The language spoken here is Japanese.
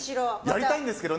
やりたいんですけどね。